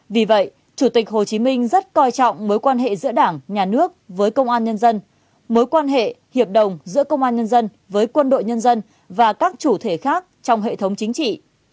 vì vậy chủ tịch hồ chí minh rất coi trọng mối quan hệ giữa đảng nhà nước với công an nhân dân mối quan hệ hiệp đồng giữa công an nhân dân với quân đội nhân dân và các chủ thể khác trong hệ thống chính trị